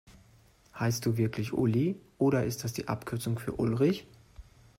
Heißt du wirklich Uli, oder ist das die Abkürzung für Ulrich?